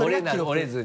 折れずに？